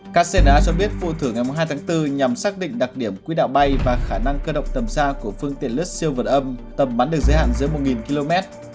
kcna cho biết vua thử ngày hai tháng bốn nhằm xác định đặc điểm quy đạo bay và khả năng cơ động tầm xa của phương tiện lứt siêu vật âm tầm bắn được giới hạn giữa một km